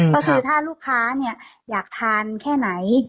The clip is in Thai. เพราะคือถ้าลูกค้าอยากกินแค่ไหน